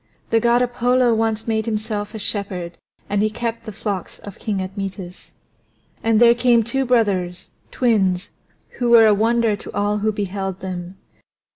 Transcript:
The God Apollo once made himself a shepherd and he kept the flocks of King Admetus. And there came two brothers, twins, who were a wonder to all who beheld them.